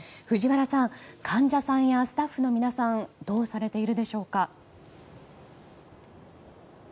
藤原さん患者さんやスタッフの皆さんどうされているでしょうか。